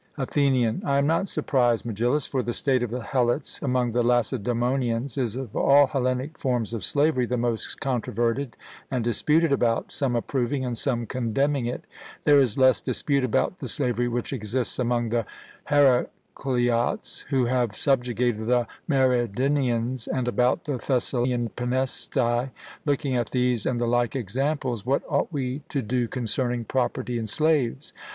ATHENIAN: I am not surprised, Megillus, for the state of the Helots among the Lacedaemonians is of all Hellenic forms of slavery the most controverted and disputed about, some approving and some condemning it; there is less dispute about the slavery which exists among the Heracleots, who have subjugated the Mariandynians, and about the Thessalian Penestae. Looking at these and the like examples, what ought we to do concerning property in slaves?